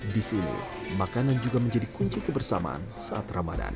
di sini makanan juga menjadi kunci kebersamaan saat ramadan